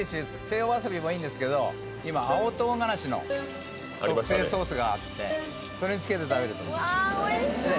西洋わさびもいいんですけど今青唐辛子の特製ソースがあってそれにつけて食べるとうわ美味しそう！